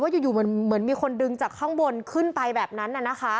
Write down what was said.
อยู่มันเหมือนมีคนดึงจากข้างบนขึ้นไปแบบนั้น